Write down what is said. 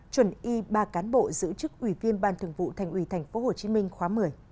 chuẩn y ba cán bộ giữ chức ủy viên ban thường vụ thành ủy tp hcm khóa một mươi